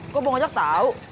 kok bang ojak tau